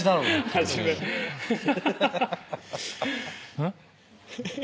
うん？